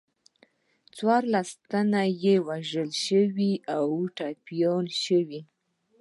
څوارلس تنه یې وژل شوي او ټپیان شوي.